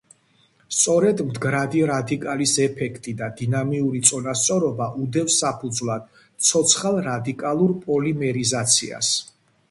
სწორედ მდგრადი რადიკალის ეფექტი და დინამიური წონასწორობა უდევს საფუძვლად ცოცხალ რადიკალურ პოლიმერიზაციას.